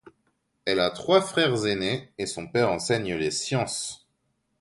Elle a trois frères aînés et son père enseigne les sciences.